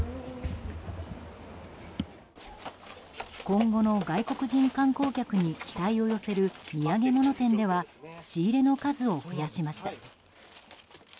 今後の外国人観光客に期待を寄せる土産物店では仕入れの数を増やしました。